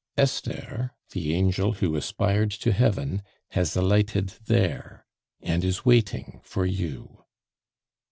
Esther, the angel who aspired to heaven, has alighted there, and is waiting for you."